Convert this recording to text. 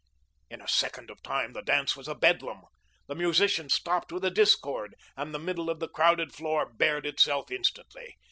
In a second of time the dance was a bedlam. The musicians stopped with a discord, and the middle of the crowded floor bared itself instantly.